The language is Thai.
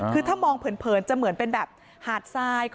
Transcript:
คือถ้ามองเผินจะเหมือนเป็นแบบหาดทราย